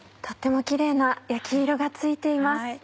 とってもキレイな焼き色がついています。